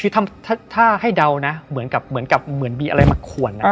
ถ้าให้เดานะเหมือนมีอะไรมาขวน